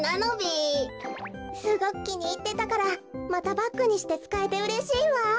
すごくきにいってたからまたバッグにしてつかえてうれしいわ！